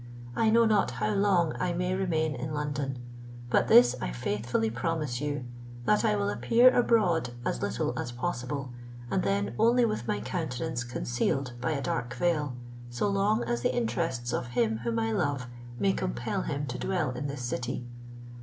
I know not how long I may remain in London; but this I faithfully promise you, that I will appear abroad as little as possible, and then only with my countenance concealed by a dark veil, so long as the interests of him whom I love may compel him to dwell in this city.